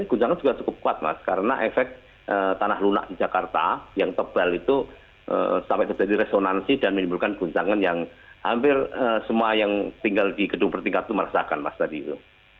guncangan juga cukup kuat mas karena efek tanah lunak di jakarta yang tebal itu sampai terjadi resonansi dan menimbulkan guncangan yang hampir semua yang tinggal di gedung bertingkat itu merasakan mas tadi itu